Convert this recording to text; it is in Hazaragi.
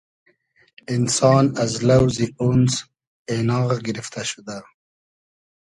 اینسان از لۆزی (اونس) اېناغ گیرفتۂ شودۂ